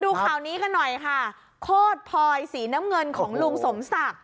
ดูข่าวนี้กันหน่อยค่ะโคตรพลอยสีน้ำเงินของลุงสมศักดิ์